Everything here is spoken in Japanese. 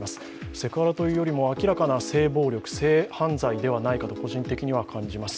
セクハラというよりも、明らかな性暴力性犯罪ではないかと個人的には感じます。